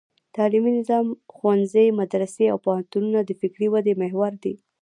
تعلیمي نظام: ښوونځي، مدرسې او پوهنتونونه د فکري ودې محور دي.